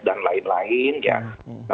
dan lain lain ya